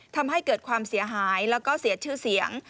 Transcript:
ทำให้เกิดความเสียหายแล้วก็เสียชื่อเสียง